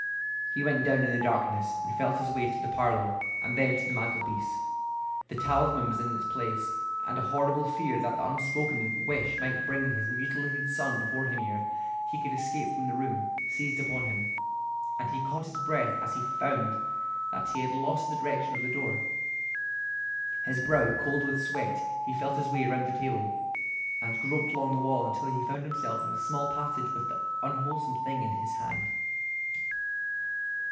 He went down in the darkness, and felt his way to the parlour, and then to the mantelpiece. The talisman was in its place, and a horrible fear that the unspoken wish might bring his mutilated son before him ere he could escape from the room seized upon him, and he caught his breath as he found that he had lost the direction of the door. His brow cold with sweat, he felt his way round the table, and groped along the wall until he found himself in the small passage with the unwholesome thing in his hand.